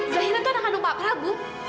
zairah itu anak anaknya prabu